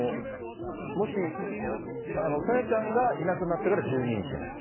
もし、朝芽さんがいなくなってから１２日目。